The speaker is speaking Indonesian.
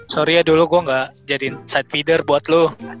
sorry ya dulu gue gak jadiin side feeder buat lo